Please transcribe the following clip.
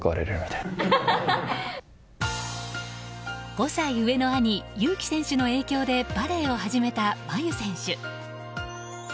５歳上の兄・祐希選手の影響でバレーを始めた真佑選手。